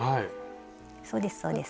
そうですそうです。